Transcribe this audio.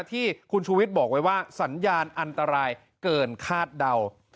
ที่คุณชูวิทย์บอกไว้ว่าสัญญาณอันตรายเกินคาดเดา